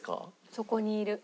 そこにいる。